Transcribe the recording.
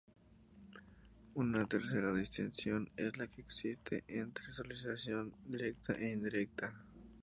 Una tercera distinción es la que existe entre socialización Directa e indirecta.